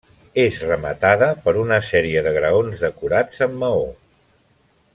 És rematada per una sèrie de graons decorats amb maó.